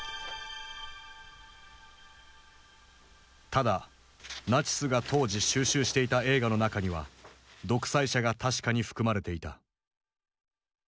ただナチスが当時収集していた映画の中には「独裁者」が確かに含まれていた。